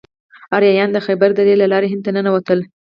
آریایان د خیبر درې له لارې هند ته ننوتل.